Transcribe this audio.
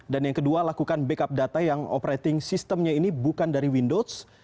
dan yang kedua lakukan backup data yang operating systemnya ini bukan dari windows